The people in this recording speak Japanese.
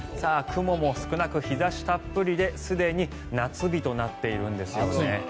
雲も少なく日差したっぷりですでに夏日となっているんですよね。